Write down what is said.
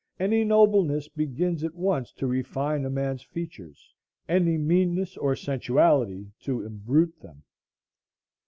Any nobleness begins at once to refine a man's features, any meanness or sensuality to imbrute them.